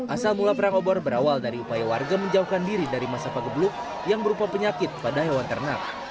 asal mula perang obor berawal dari upaya warga menjauhkan diri dari masa pagebluk yang berupa penyakit pada hewan ternak